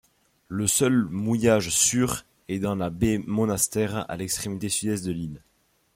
Le seul mouillage sûr est dans la baie Monastère, à l’extrémité sud-est de l'île.